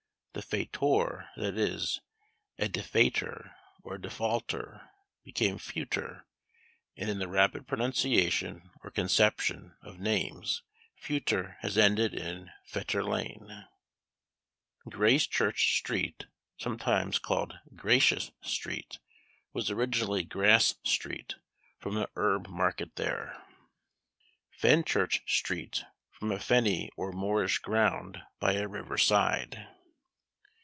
The Faitour, that is, a defaytor, or defaulter, became Fewtor; and in the rapid pronunciation, or conception, of names, Fewtor has ended in Fetter lane. Gracechurch street, sometimes called Gracious street, was originally Grass street, from a herb market there. Fenchurch street, from a fenny or moorish ground by a river side.